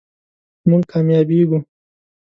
مونږ کامیابیږو